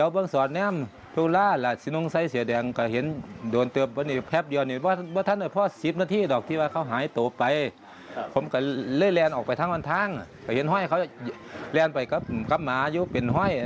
ผมก็เล่นแหลนออกไปทั้งวันทางก็เห็นห้อยเขาแหลนไปกับหมาอยู่เป็นห้อย